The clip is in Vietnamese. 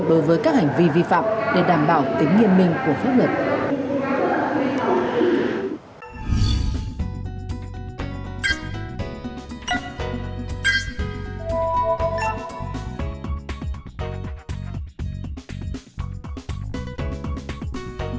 đối với các hành vi vi phạm để đảm bảo tính nghiêm minh của pháp luật